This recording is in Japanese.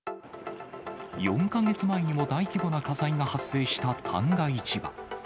４か月前にも大規模な火災が発生した旦過市場。